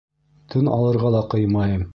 Тын алырға ла ҡыймайым.